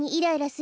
す。